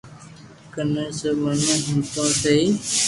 ڪني سب منو ھڻوتو سھي